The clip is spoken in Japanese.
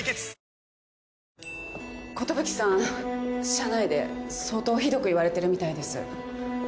社内で相当ひどく言われてるみたいです。